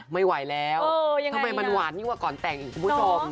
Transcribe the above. ไม่ไหวแล้วทำไมมันหวานยิ่งกว่าก่อนแต่งอีกคุณผู้ชม